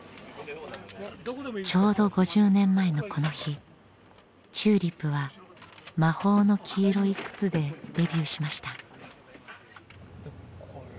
ちょうど５０年前のこの日ＴＵＬＩＰは「魔法の黄色い靴」でデビューしました。